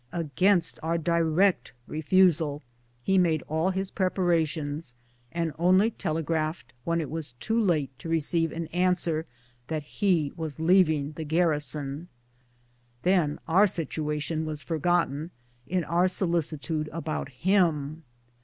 Against our direct refusal he made all his preparations, and only telegraphed, when it was too late to receive an answer, that he was leaving garrison. Tlien our situa tion was forgotten in our solicitude about him.